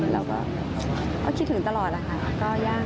เราก็คิดถึงตลอดแล้วค่ะก็ยาก